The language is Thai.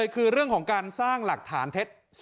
คือเรื่องของการสร้างหลักฐานเท็จ